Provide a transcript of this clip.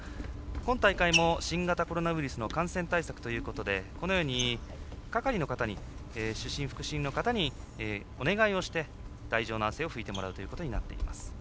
今大会も新型コロナウイルスの感染対策ということでこのように主審、副審の方にお願いをして、台上の汗をふいてもらうということになっています。